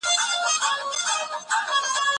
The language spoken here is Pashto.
زه پرون سبزېجات وچوم وم!